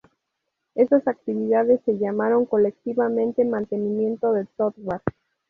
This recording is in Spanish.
Estas actividades se llamaron colectivamente mantenimiento del "software".